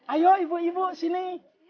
ayolah ibu sini